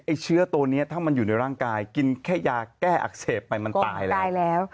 เชื้อตัวนี้ถ้ามันอยู่ในร่างกายกินแค่ยาแก้อักเสบไปมันตายแล้วตายแล้ว